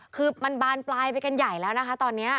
คือมันบานปลายไปกันใหญ่แล้วนะคะตอนนี้